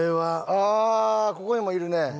ああここにもいるね。